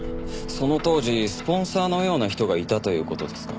その当時スポンサーのような人がいたという事ですか？